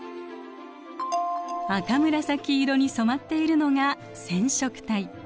赤紫色に染まっているのが染色体。